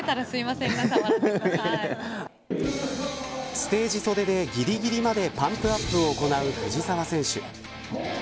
ステージ袖で、ぎりぎりまでパンプアップを行う藤澤選手。